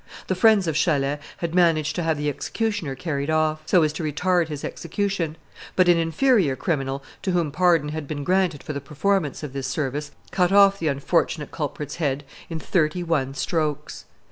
The friends of Chalais had managed to have the executioner carried off, so as to retard his execution; but an inferior criminal, to whom pardon had been granted for the performance of this service, cut off the unfortunate culprit's head in thirty one strokes.